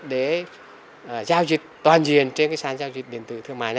đã có ba mươi năm bốn trăm linh hộ